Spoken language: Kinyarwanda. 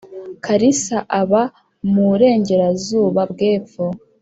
kalisa aba muurengerazuba bw'epfo.